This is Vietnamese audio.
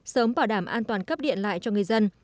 sớm bảo đảm an toàn cấp điện lại cho người dân